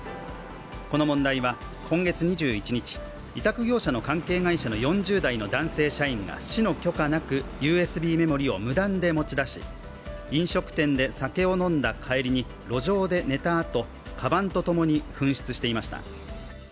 この問題は今月２１日、委託業者の関係会社の４０代の男性社員が市の許可なくＵＳＢメモリーを無断で持ち出し、飲食店で酒を飲んだ帰りに路上で寝たあと、かばんとともに紛失していました。